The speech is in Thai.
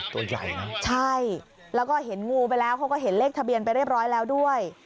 ตัวใหญ่นะใช่แล้วก็เห็นงูไปแล้วเขาก็เห็นเลขทะเบียนไปเรียบร้อยแล้วด้วย